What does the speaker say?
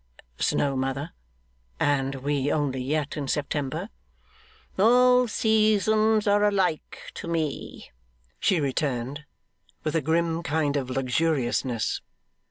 'Snow, mother? And we only yet in September?' 'All seasons are alike to me,' she returned, with a grim kind of luxuriousness.